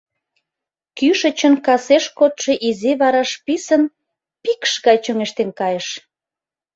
кӱшычын касеш кодшо изи вараш писын, пикш гай чоҥештен кайыш;